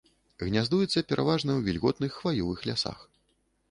Гняздуецца пераважна ў вільготных хваёвых лясах.